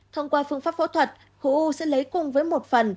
thông qua phương pháp phẫu thuật khối u sẽ lấy cùng với một phần